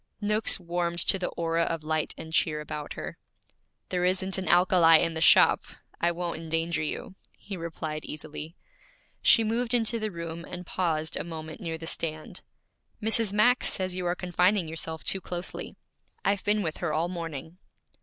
Noakes warmed to the aura of light and cheer about her. 'There isn't an alkali in the shop; I won't endanger you,' he replied easily. She moved into the room and paused a moment near the stand. 'Mrs. Max says you are confining yourself too closely. I've been with her all morning.'